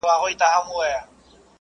قبايلي ساختمان وروسته پاتې دی.